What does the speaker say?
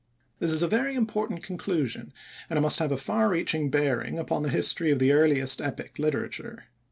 This is a very important conclusion, and it must have a far reaching bearing upon the history of the earliest epic literature.